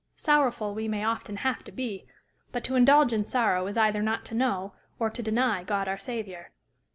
Sorrowful we may often have to be, but to indulge in sorrow is either not to know or to deny God our Saviour.